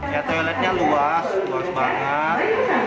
ya toiletnya luas luas banget